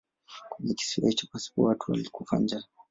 Kwenye kisiwa hicho pasipo watu alikufa njaa.